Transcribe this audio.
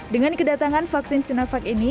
dengan kedatangan vaksin sinovac ini